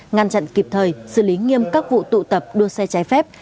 ngăn chặn kịp thời xử lý nghiêm các vụ tụ tập đua xe trái phép